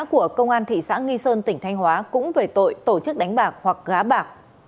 của công an thị xã nghi sơn tỉnh thanh hóa cũng về tội tổ chức đánh bạc hoặc gá bạc